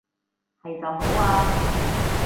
係就好啊